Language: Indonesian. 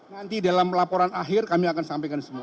nanti dalam laporan akhir kami akan sampaikan semua